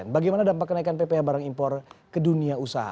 bagaimana dampak kenaikan pph barang impor ke dunia usaha